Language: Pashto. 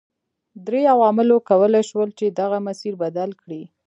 درې عواملو کولای شول چې دغه مسیر بدل کړي.